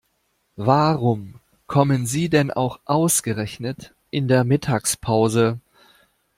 Warum kommen Sie denn auch ausgerechnet in der Mittagspause?